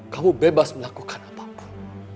kamu bebas melakukan apapun